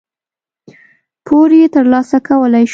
پور یې ترلاسه کولای شو.